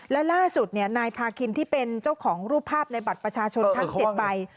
แล้วล่าสุดนายพาคินที่เป็นเจ้าของรูปภาพในบัตรประชาชนทั้ง๗ใบ